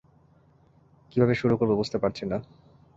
কিভাবে শুরু করব বুঝতে পারছি না।